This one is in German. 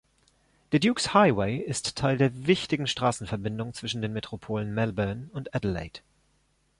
Der Dukes Highway ist Teil der wichtigen Straßenverbindung zwischen den Metropolen Melbourne und Adelaide.